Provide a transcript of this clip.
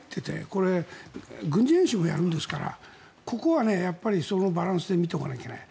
これ、軍事演習やるんですからここはそのバランスで見ておかなきゃいけない。